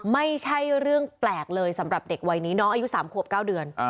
ไม่ใช่เรื่องแปลกเลยสำหรับเด็กวัยนี้น้องอายุ๓ขวบ๙เดือน